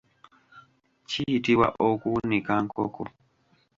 Kiyitibwa okuwunika nkoko.